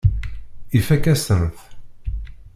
Ifakk-asen-t.